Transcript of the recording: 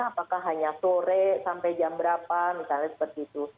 apakah hanya sore sampai jam berapa misalnya seperti itu